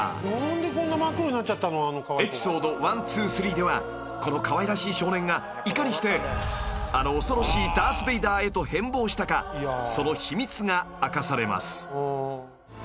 ［エピソード１２３ではこのかわいらしい少年がいかにしてあの恐ろしいダース・ベイダーへと変貌したかその秘密が明かされます］